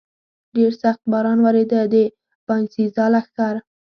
ډېر سخت باران ورېده، د باینسېزا لښکر.